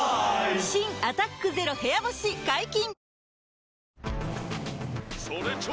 新「アタックＺＥＲＯ部屋干し」解禁‼